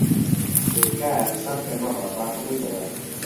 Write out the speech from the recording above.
تکایە قسەم پێ مەبڕە، با هەمووی بڵێم.